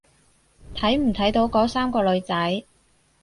睇唔睇到嗰三個女仔？